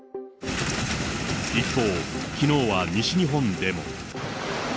一方、きのうは西日本でも。